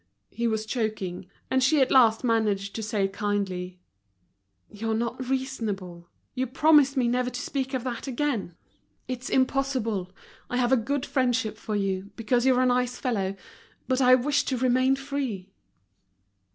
He was choking, and she at last managed to say kindly: "You're not reasonable; you promised me never to speak of that again. It's impossible. I have a good friendship for you, because you're a nice fellow; but I wish to remain free."